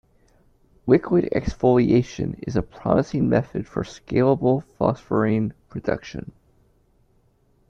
Liquid exfoliation is a promising method for scalable phosphorene production.